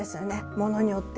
ものによっては。